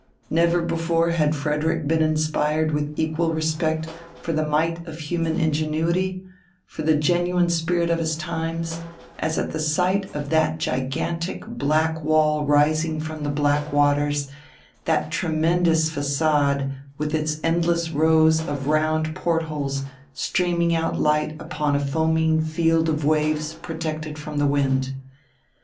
Never before had Frederick been inspired with equal respect for the might of human ingenuity, for the genuine spirit of his times, as at the sight of that gigantic black wall rising from the black waters, that tremendous façade, with its endless rows of round port holes streaming out light upon a foaming field of waves protected from the wind.